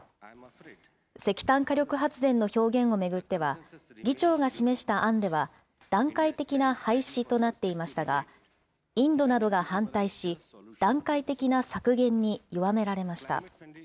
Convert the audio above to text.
石炭火力発電の表現を巡っては、議長が示した案では、段階的な廃止となっていましたが、インドなどが反対し、段階的な削減に弱められました。